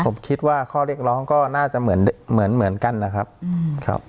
ผมคิดว่าข้อเรียกร้องก็น่าจะเหมือนเหมือนกันนะครับครับ